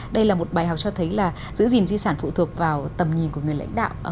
đây là một bài học cho thấy là giữ gìn di sản phụ thuộc vào tầm nhìn của người lãnh đạo